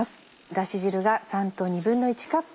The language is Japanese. だし汁が３と１／２カップ。